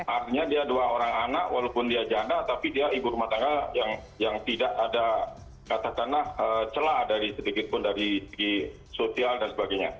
artinya dia dua orang anak walaupun dia janda tapi dia ibu rumah tangga yang tidak ada katakanlah celah dari sedikit pun dari segi sosial dan sebagainya